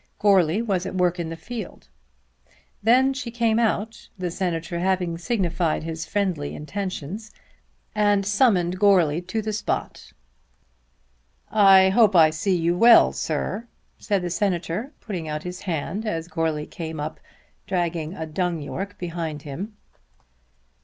Goarly was at work in the field. Then she came out, the Senator having signified his friendly intentions, and summoned Goarly to the spot. "I hope I see you well, sir," said the Senator putting out his hand as Goarly came up dragging a dung fork behind him.